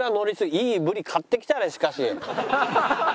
いいブリ買ってきたねしかし。